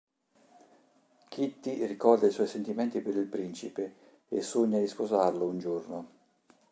Kitty ricorda i suoi sentimenti per il principe e sogna di sposarlo un giorno.